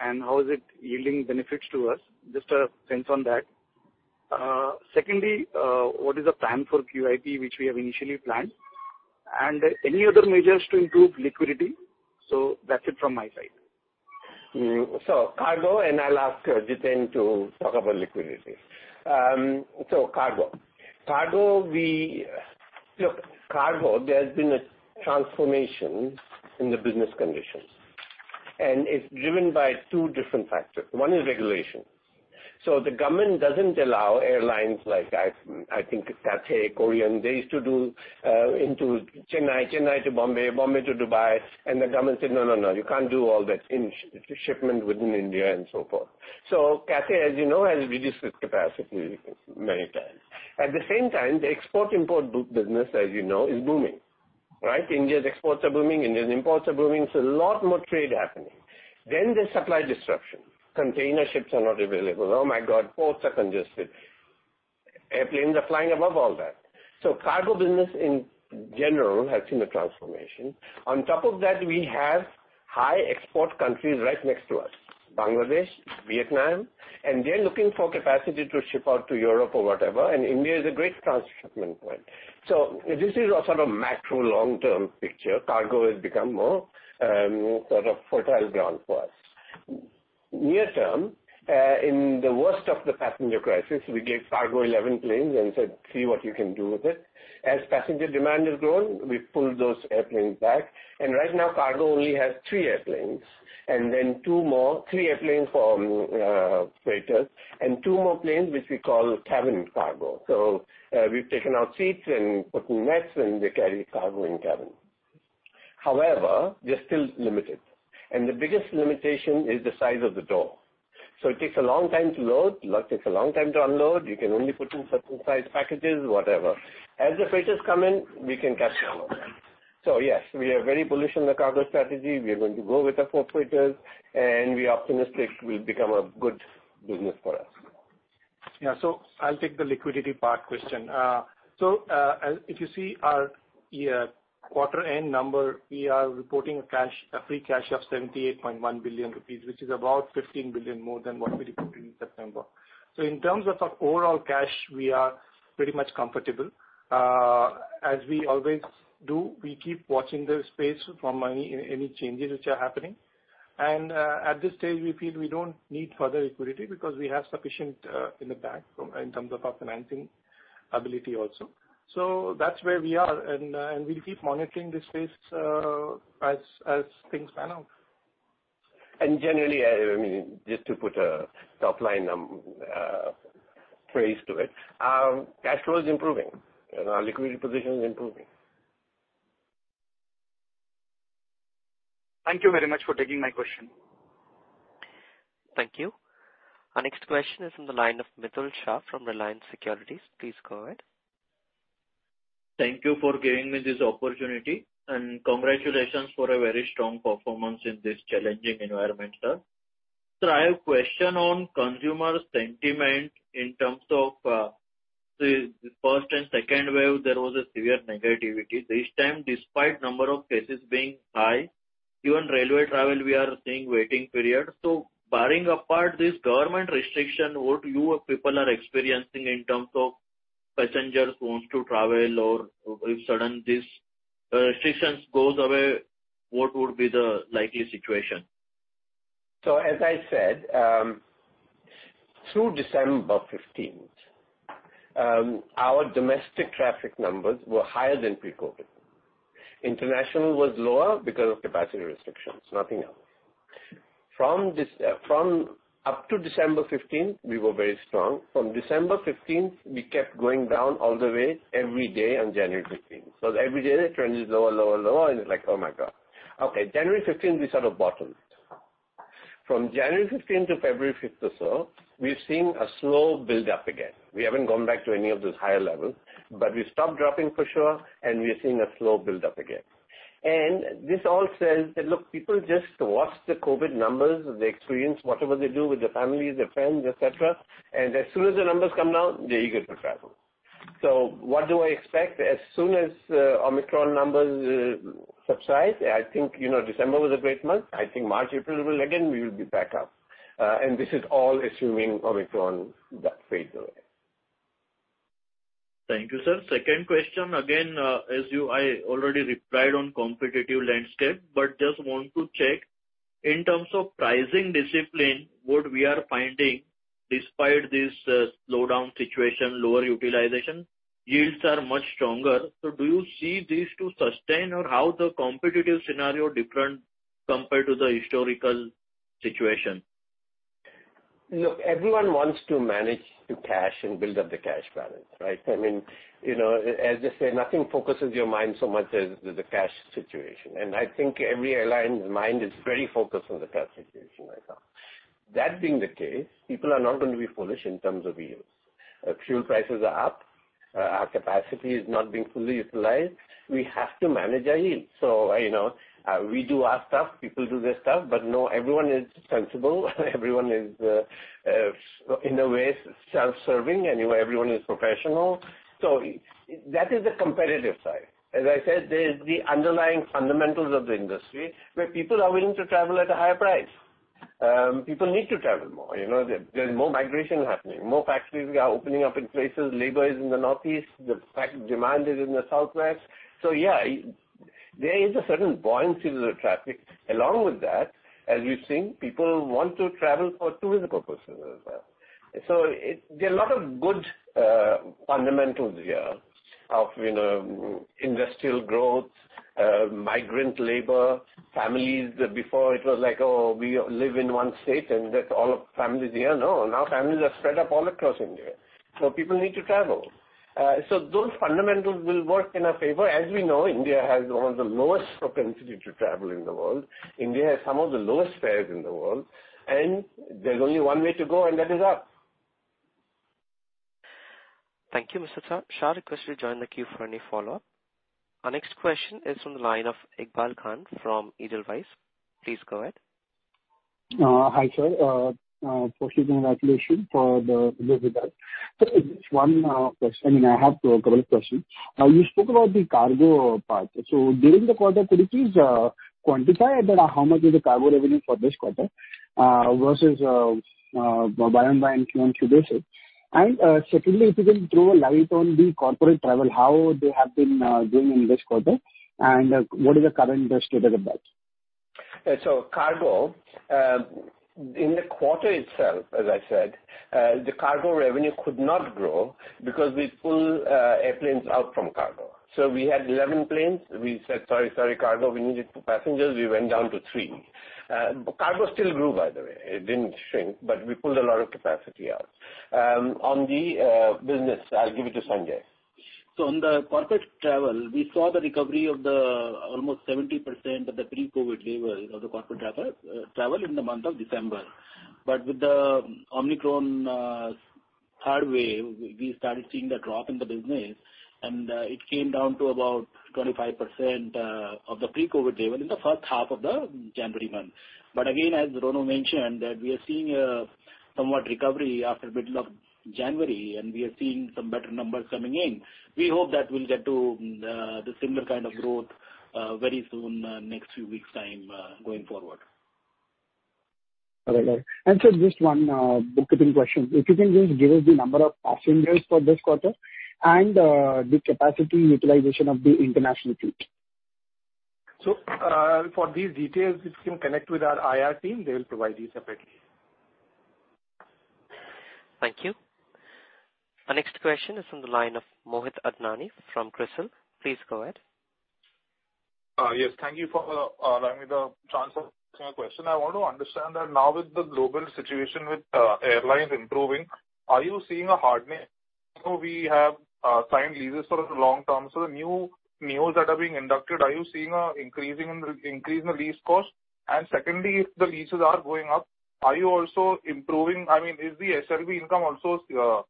and how is it yielding benefits to us? Just a sense on that. Secondly, what is the plan for QIP, which we have initially planned? Any other measures to improve liquidity? That's it from my side. Cargo, and I'll ask Jiten to talk about liquidity. Cargo, look, there has been a transformation in the business conditions, and it's driven by two different factors. One is regulation. The government doesn't allow airlines like, I think Cathay, Korean, they used to do into Chennai to Bombay to Dubai, and the government said, "No, no, you can't do all that in shipment within India," and so forth. Cathay, as you know, has reduced its capacity many times. At the same time, the export-import business, as you know, is booming, right? India's exports are booming, India's imports are booming, so a lot more trade happening. Then there's supply disruption. Container ships are not available. Oh my God, ports are congested. Airplanes are flying above all that. Cargo business in general has seen a transformation. On top of that, we have high export countries right next to us, Bangladesh, Vietnam, and they're looking for capacity to ship out to Europe or whatever, and India is a great transshipment point. This is a sort of macro long-term picture. Cargo has become more, sort of fertile ground for us. Near term, in the worst of the passenger crisis, we gave Cargo 11 planes and said, "See what you can do with it." As passenger demand has grown, we've pulled those airplanes back. Right now, Cargo only has three airplanes for freighters and two more planes, which we call cabin cargo. We've taken out seats and putting nets, and they carry cargo in cabin. However, they're still limited, and the biggest limitation is the size of the door. It takes a long time to load. Load takes a long time to unload. You can only put in certain size packages, whatever. As the freighters come in, we can catch some of that. Yes, we are very bullish on the cargo strategy. We are going to go with the four freighters, and we are optimistic it will become a good business for us. Yeah. I'll take the liquidity part question. If you see our year quarter end number, we are reporting a free cash of 78.1 billion rupees, which is about 15 billion more than what we reported in September. In terms of our overall cash, we are pretty much comfortable. As we always do, we keep watching the space for any changes which are happening. At this stage, we feel we don't need further liquidity because we have sufficient in the bank in terms of our financing ability also. That's where we are and we'll keep monitoring the space as things pan out. Generally, I mean, just to put a top-line phrase to it, cash flow is improving and our liquidity position is improving. Thank you very much for taking my question. Thank you. Our next question is from the line of Mitul Shah from Reliance Securities. Please go ahead. Thank you for giving me this opportunity, and congratulations for a very strong performance in this challenging environment, sir. I have question on consumer sentiment in terms of, the first and second wave, there was a severe negativity. This time, despite number of cases being high, even railway travel, we are seeing waiting periods. Barring apart this government restriction, what you people are experiencing in terms of passengers who wants to travel or if sudden this, restrictions goes away, what would be the likely situation? As I said, through December fifteenth, our domestic traffic numbers were higher than pre-COVID. International was lower because of capacity restrictions, nothing else. From up to December fifteenth, we were very strong. From December 15th, we kept going down all the way every day until January fifteenth. Every day the trend is lower, and it's like, "Oh, my God." Okay, January 15th we sort of bottomed. From January 15 to February fifth or so, we're seeing a slow build up again. We haven't gone back to any of those higher levels, but we stopped dropping for sure and we are seeing a slow build up again. This all says that, look, people just watch the COVID numbers, they experience whatever they do with their families, their friends, et cetera, and as soon as the numbers come down, they're eager to travel. What do I expect? As soon as Omicron numbers subside, I think, you know, December was a great month. I think March, April will again, we will be back up. And this is all assuming Omicron does fade away. Thank you, sir. Second question again, I already replied on competitive landscape, but just want to check. In terms of pricing discipline, what we are finding despite this slowdown situation, lower utilization, yields are much stronger. Do you see this to sustain or how the competitive scenario different compared to the historical situation? Look, everyone wants to manage the cash and build up the cash balance, right? I mean, you know, as they say, nothing focuses your mind so much as the cash situation. I think every airline's mind is very focused on the cash situation right now. That being the case, people are not gonna be foolish in terms of yields. Fuel prices are up. Our capacity is not being fully utilized. We have to manage our yields. You know, we do our stuff, people do their stuff. No, everyone is sensible. Everyone is in a way self-serving, anyway everyone is professional. That is the competitive side. As I said, there's the underlying fundamentals of the industry, where people are willing to travel at a higher price. People need to travel more. You know, there's more migration happening, more factories are opening up in places, labor is in the northeast, the actual demand is in the southwest. Yeah, there is a certain buoyancy to the traffic. Along with that, as we've seen, people want to travel for tourism purposes as well. There are a lot of good fundamentals here of, you know, industrial growth, migrant labor, families. Before it was like, "Oh, we live in one state," and all families here. No, now families are spread up all across India, so people need to travel. Those fundamentals will work in our favor. As we know, India has one of the lowest propensity to travel in the world. India has some of the lowest fares in the world, and there's only one way to go, and that is up. Thank you, Mr. Shah. Shah requested to join the queue for any follow-up. Our next question is from the line of Iqbal Khan from Edelweiss. Please go ahead. Hi, sir. First wish and congratulations for the good result. Just one question. I mean, I have two couple of questions. You spoke about the cargo part. During the quarter, could you please quantify that how much is the cargo revenue for this quarter versus Q1 this year? Secondly, if you can throw a light on the corporate travel, how they have been doing in this quarter, and what is the current perspective about it? Cargo, in the quarter itself, as I said, the cargo revenue could not grow because we pulled airplanes out from cargo. We had 11 planes. We said, "Sorry, sorry, cargo, we need it for passengers." We went down to three. Cargo still grew by the way. It didn't shrink, but we pulled a lot of capacity out. On the business, I'll give it to Sanjay. On the corporate travel, we saw the recovery of almost 70% of the pre-COVID level of the corporate travel in the month of December. With the Omicron third wave, we started seeing the drop in the business and it came down to about 25% of the pre-COVID level in the first half of the January month. Again, as Rono mentioned, that we are seeing a somewhat recovery after middle of January, and we are seeing some better numbers coming in. We hope that we'll get to the similar kind of growth very soon, next few weeks time, going forward. All right. Sir, just one bookkeeping question. If you can just give us the number of passengers for this quarter and the capacity utilization of the international fleet? For these details, you can connect with our IR team, they'll provide you separately. Thank you. Our next question is from the line of Mohit Adnani from CRISIL. Please go ahead. Yes. Thank you for allowing me the chance of asking a question. I want to understand that now with the global situation with airlines improving, are you seeing a hardening? We have signed leases for the long term. The new models that are being inducted, are you seeing an increase in the lease costs? Secondly, if the leases are going up, I mean, is the SLB income also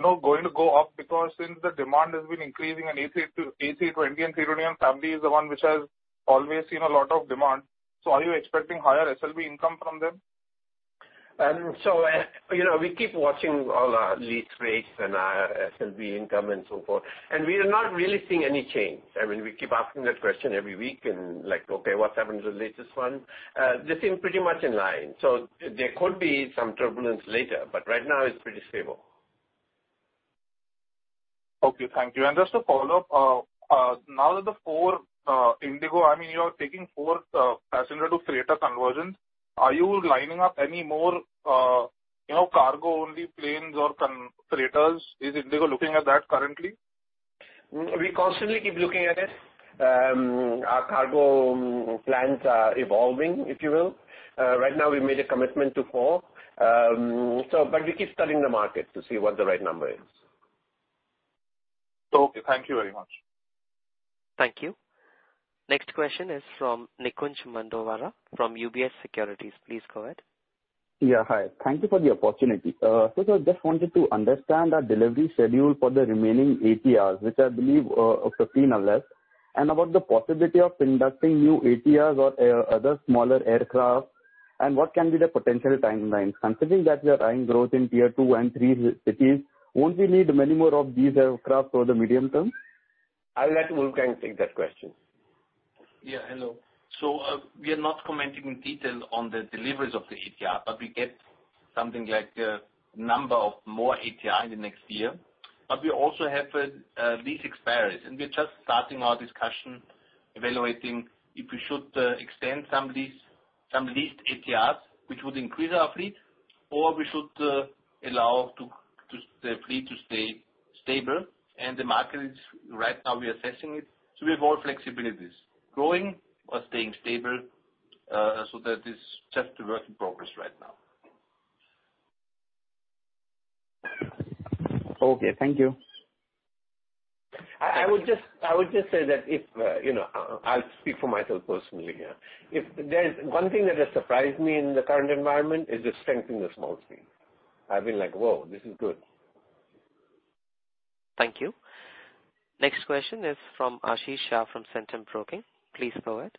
going to go up? Because since the demand has been increasing on A320 and A321 family is the one which has always seen a lot of demand. Are you expecting higher SLB income from them? You know, we keep watching all our lease rates and our SLB income and so forth, and we are not really seeing any change. I mean, we keep asking that question every week and like, "Okay, what's happened to the latest one?" They seem pretty much in line. There could be some turbulence later, but right now it's pretty stable. Okay. Thank you. Just a follow-up. Now that you're taking four passenger to freighter conversions, are you lining up any more, you know, cargo-only planes or freighters? Is IndiGo looking at that currently? We constantly keep looking at it. Our cargo plans are evolving, if you will. Right now we made a commitment to four. We keep studying the market to see what the right number is. Okay. Thank you very much. Thank you. Next question is from Nikunj Mandowara from UBS Securities. Please go ahead. Yeah, hi. Thank you for the opportunity. I just wanted to understand our delivery schedule for the remaining ATRs, which I believe are 15 or less, and about the possibility of inducting new ATRs or other smaller aircraft and what can be the potential timelines. Considering that we are eyeing growth in tier two and three cities, won't we need many more of these aircraft for the medium term? I'll let Wolfgang take that question. Yeah, hello. We are not commenting in detail on the deliveries of the ATR, but we get something like a number of more ATR in the next year. We also have lease expiries, and we're just starting our discussion evaluating if we should extend some leased ATRs, which would increase our fleet, or we should allow the fleet to stay stable. The market right now we are assessing it, so we have more flexibilities. Growing or staying stable, that is just a work in progress right now. Okay, thank you. I would just say that if you know, I'll speak for myself personally here. If there's one thing that has surprised me in the current environment, is the strength in the small fleet. I've been like, "Whoa, this is good. Thank you. Next question is from Ashish Shah from Centrum Broking. Please go ahead.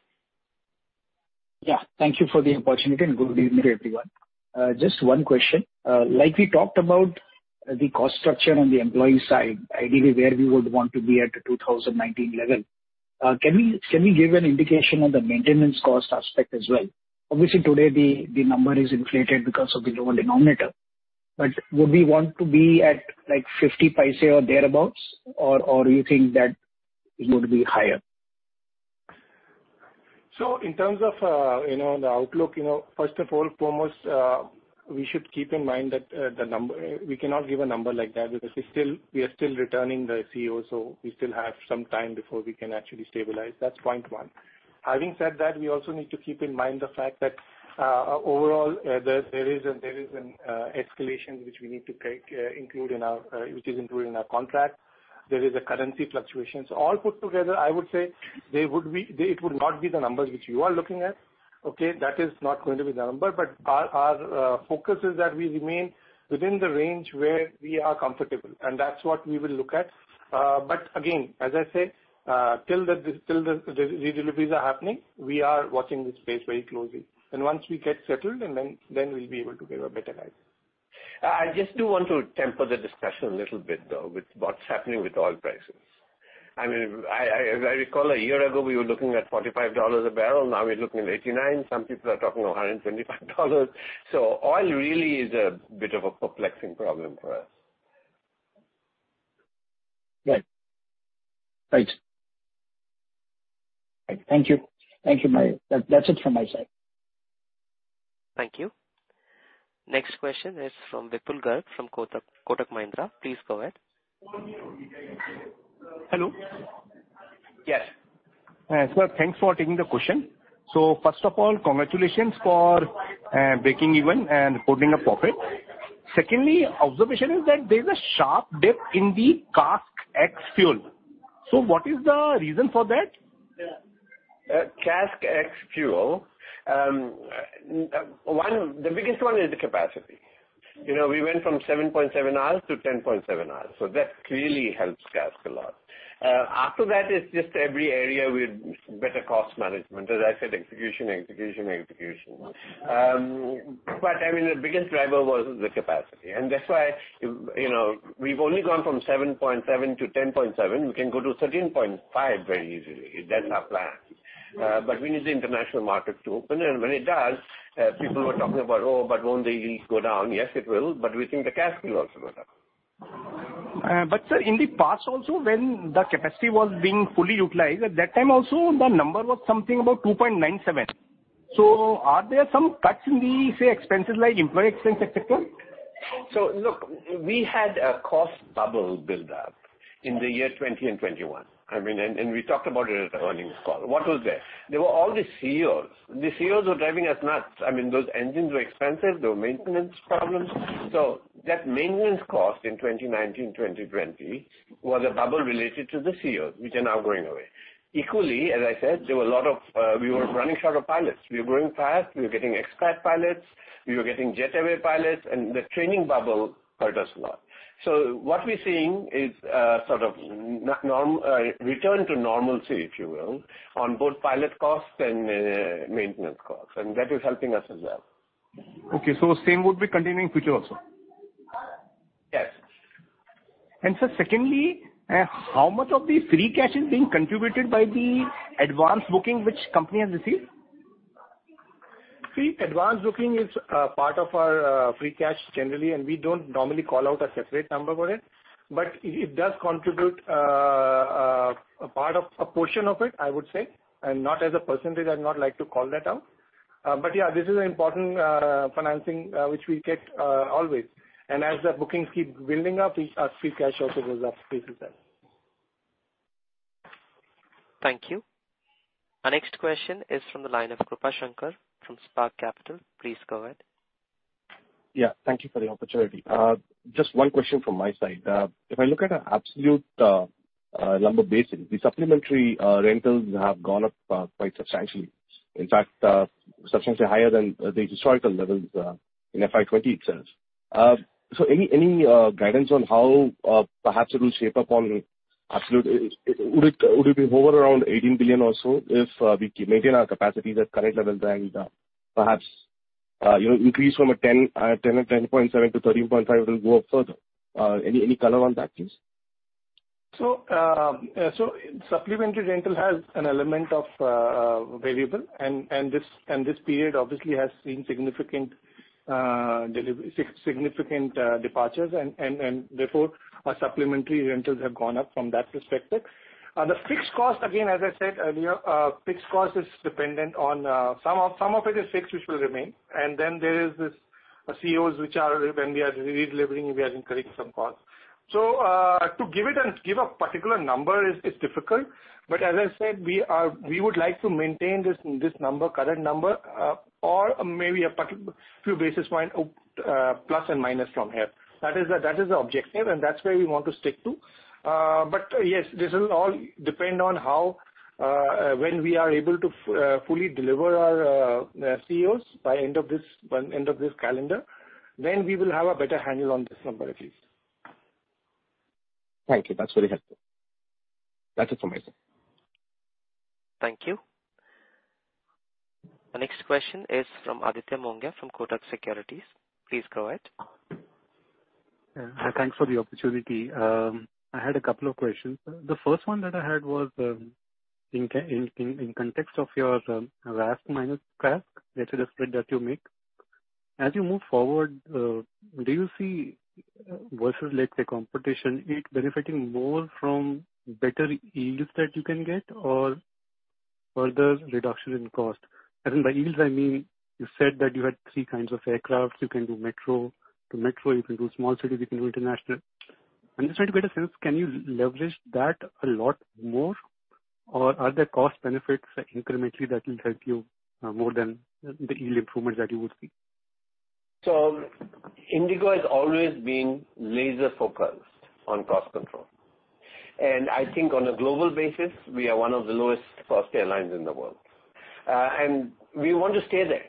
Yeah, thank you for the opportunity and good evening, everyone. Just one question. Like we talked about the cost structure on the employee side, ideally where we would want to be at the 2019 level. Can we give an indication on the maintenance cost aspect as well? Obviously, today the number is inflated because of the lower denominator. Would we want to be at like 0.50 or thereabouts? Or you think that it would be higher? In terms of, you know, the outlook, you know, first of all, foremost, we should keep in mind that we cannot give a number like that because it's still, we are still returning the ceo, so we still have some time before we can actually stabilize. That's point one. Having said that, we also need to keep in mind the fact that overall, there is an escalation which is included in our contract. There is a currency fluctuation. All put together, I would say they would be. It would not be the numbers which you are looking at. That is not going to be the number. Our focus is that we remain within the range where we are comfortable, and that's what we will look at. Again, as I said, till the redeliveries are happening, we are watching this space very closely. Once we get settled and then we'll be able to give a better guide. I just do want to temper the discussion a little bit, though, with what's happening with oil prices. I mean, I, as I recall, a year ago, we were looking at $45 a barrel. Now we're looking at $89. Some people are talking of $125. Oil really is a bit of a perplexing problem for us. Right. Thank you. That's it from my side. Thank you. Next question is from Vipul Garg from Kotak Mahindra. Please go ahead. Hello? Yes. Sir, thanks for taking the question. First of all, congratulations for breaking even and reporting a profit. Secondly, observation is that there is a sharp dip in the CASK ex-fuel. What is the reason for that? CASK ex-fuel. 1, the biggest one is the capacity. You know, we went from 7.7 hours to 10.7 hours, so that clearly helps CASK a lot. After that, it's just every area with better cost management. As I said, execution. I mean, the biggest driver was the capacity, and that's why, you know, we've only gone from 7.7 to 10.7. We can go to 13.5 very easily. That's our plan. We need the international market to open, and when it does, people were talking about, "Oh, but won't the yields go down?" Yes, it will. We think the CASK will also go down. sir, in the past also, when the capacity was being fully utilized, at that time also the number was something about 2.97. Are there some cuts in the, say, expenses like employee expense, et cetera? Look, we had a cost bubble build up in the year 2020 and 2021. I mean, and we talked about it at the earnings call. What was there? There were all the ceos. The ceos were driving us nuts. I mean, those engines were expensive. There were maintenance problems. That maintenance cost in 2019, 2020 was a bubble related to the ceos, which are now going away. Equally, as I said, there were a lot of, we were running short of pilots. We were growing fast, we were getting expat pilots, we were getting Jet Airways pilots, and the training bubble hurt us a lot. What we're seeing is, sort of normal return to normalcy, if you will, on both pilot costs and, maintenance costs, and that is helping us as well. Okay. Same would be continuing future also? Yes. Sir, secondly, how much of the free cash is being contributed by the advance booking which company has received? See, advance booking is part of our free cash generally, and we don't normally call out a separate number for it. It does contribute a portion of it, I would say, and not as a percentage. I'd not like to call that out. Yeah, this is an important financing which we get always. As the bookings keep building up, our free cash also goes up vis-à-vis that. Thank you. Our next question is from the line of Krupashankar from Spark Capital. Please go ahead. Yeah, thank you for the opportunity. Just one question from my side. If I look at absolute number basis, the supplementary rentals have gone up quite substantially. In fact, substantially higher than the historical levels in FY 2020 itself. So any guidance on how perhaps it will shape up on absolute? Would it be over around 18 billion or so if we maintain our capacities at current levels and perhaps you know increase from 10 or 10.7 to 13.5 will go up further? Any color on that, please? Supplementary rental has an element of variable. This period obviously has seen significant departures and therefore our supplementary rentals have gone up from that perspective. The fixed cost, again, as I said earlier, is dependent on some of it is fixed, which will remain. Then there is this costs which are when we are redelivering, we are incurring some costs. To give a particular number is difficult, but as I said, we would like to maintain this current number or maybe a few basis points plus and minus from here. That is the objective, and that's where we want to stick to. Yes, this will all depend on how, when we are able to fully deliver our ceos by end of this calendar, then we will have a better handle on this number at least. Thank you. That's very helpful. That's it from my side. Thank you. Our next question is from Aditya Mongia from Kotak Securities. Please go ahead. Yeah, thanks for the opportunity. I had a couple of questions. The first one that I had was, in context of your RASK minus CASK, that's the spread that you make. As you move forward, do you see versus, let's say, competition it benefiting more from better yields that you can get or further reduction in cost? By yields I mean you said that you had three kinds of aircraft. You can do metro to metro, you can do small cities, you can do international. I'm just trying to get a sense, can you leverage that a lot more, or are there cost benefits incrementally that will help you more than the yield improvements that you would see? IndiGo has always been laser-focused on cost control. I think on a global basis, we are one of the lowest cost airlines in the world. We want to stay there.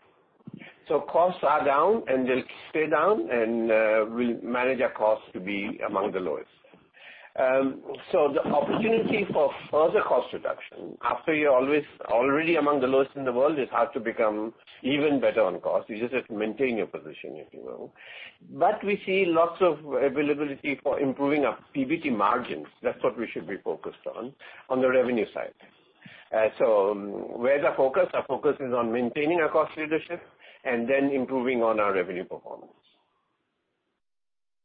Costs are down, and they'll stay down, and we'll manage our costs to be among the lowest. The opportunity for further cost reduction, after you're always already among the lowest in the world, it's hard to become even better on cost. You just have to maintain your position, if you will. We see lots of availability for improving our PBT margins. That's what we should be focused on on the revenue side. Where's our focus? Our focus is on maintaining our cost leadership and then improving on our revenue performance.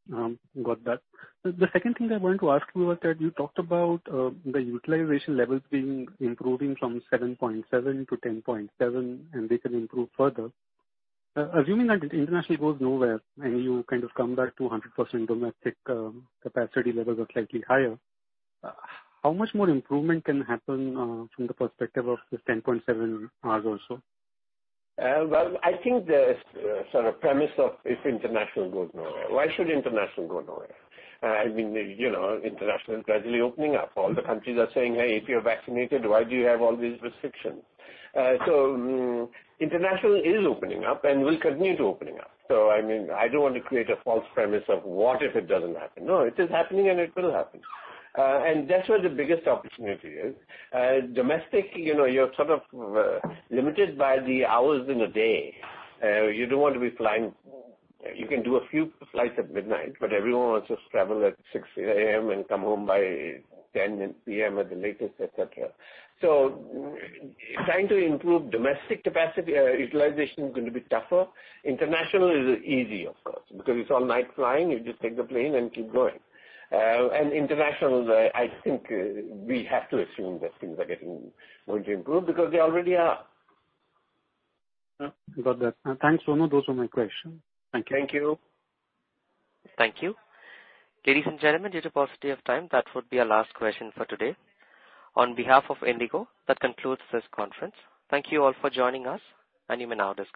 Got that. The second thing I wanted to ask you was that you talked about the utilization levels being improving from 7.7 to 10.7, and they can improve further. Assuming that international goes nowhere and you kind of come back to 100% domestic capacity levels or slightly higher, how much more improvement can happen from the perspective of this 10.7 RASK also? Well, I think the sort of premise of if international goes nowhere, why should international go nowhere? I mean, you know, international is gradually opening up. All the countries are saying, "Hey, if you're vaccinated, why do you have all these restrictions?" international is opening up and will continue to opening up. I mean, I don't want to create a false premise of what if it doesn't happen. No, it is happening and it will happen. That's where the biggest opportunity is. Domestic, you know, you're sort of limited by the hours in a day. You don't want to be flying. You can do a few flights at midnight, but everyone wants to travel at 6 A.M. and come home by 10 P.M. at the latest, et cetera. Trying to improve domestic capacity utilization is going to be tougher. International is easy of course, because it's all night flying. You just take the plane and keep going. International, I think we have to assume that things are going to improve because they already are. Got that. Thanks, Rono. Those were my questions. Thank you. Thank you. Thank you. Ladies and gentlemen, due to paucity of time, that would be our last question for today. On behalf of IndiGo, that concludes this conference. Thank you all for joining us, and you may now disconnect.